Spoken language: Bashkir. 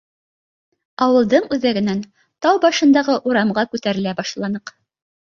Ауылдың үҙәгенән тау башындағы урамға күтәрелә башланыҡ.